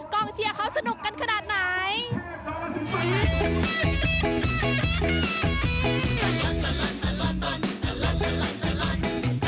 กองเซียเขาสนุกไงขนาดไหน